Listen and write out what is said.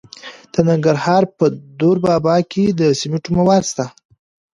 د ننګرهار په دور بابا کې د سمنټو مواد شته.